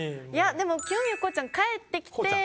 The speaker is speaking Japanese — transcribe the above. でも清宮こうちゃん帰ってきて。